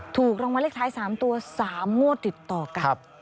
ถูกรางวัลเลขท้าย๓ตัว๓งวดติดต่อกัน